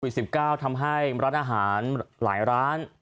๑๙ทำให้ร้านอาหารหลายร้าน